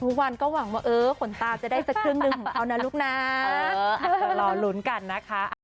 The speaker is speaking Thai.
ทุกวันก็หวังว่าเออขนตาจะได้สักครึ่งหนึ่งของเขานะลูกนะรอลุ้นกันนะคะ